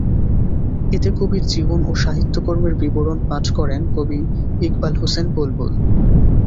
এতে কবির জীবন ও সাহিত্যকর্মের বিবরণ পাঠ করেন কবি ইকবাল হোসেন বুলবুল।